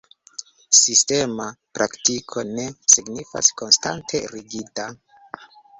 Sistema praktiko ne signifas konstante rigida.